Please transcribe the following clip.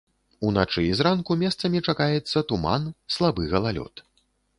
Уначы і зранку месцамі чакаецца туман, слабы галалёд.